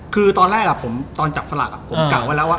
คือตอนแรกก็ตอนผมจับศราก